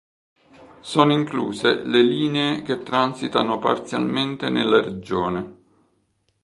Sono incluse le linee che transitano parzialmente nella regione.